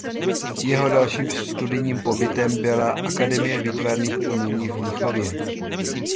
Jeho dalším studijním pobytem byla Akademie výtvarných umění v Mnichově.